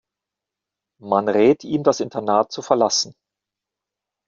Man rät ihm das Internat zu verlassen.